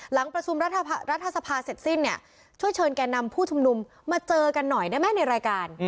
หลังประชุมรัฐสภาเสร็จสิ้นเนี่ยช่วยเชิญแก่นำผู้ชุมนุมมาเจอกันหน่อยได้ไหมในรายการ